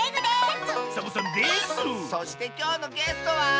そしてきょうのゲストは。